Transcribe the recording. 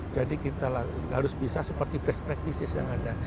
jadi kita harus bisa seperti best practices yang ada